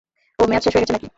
ওহ, মেয়াদ শেষ হয়ে গেছে না-কি?